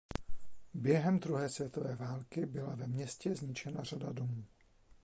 Během druhé světové války byla ve městě zničena řada domů.